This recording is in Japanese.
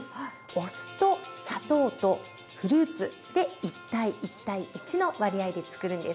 お酢と砂糖とフルーツで１：１：１の割合でつくるんです。